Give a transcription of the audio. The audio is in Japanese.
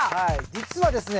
実はですね